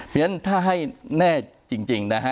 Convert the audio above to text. เพราะฉะนั้นถ้าให้แน่จริงนะฮะ